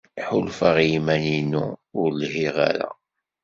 Ḥulfaɣ i yiman-inu ur lhiɣ ara.